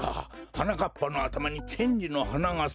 はなかっぱのあたまにチェンジのはながさいたのか！